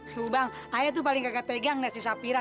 tuh bang ayah tuh paling gak ketegang nanti si sapa